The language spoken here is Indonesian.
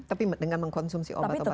tapi dengan mengkonsumsi obat obatan